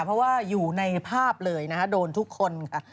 เพราะว่าอยู่ในภาพเลยนะคะโดนทุกคนค่ะ